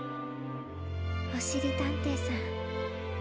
おしりたんていさん。